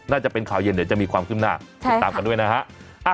น่าจะเป็นข่าวเย็นเดี๋ยวจะมีความขึ้นหน้าติดตามกันด้วยนะฮะ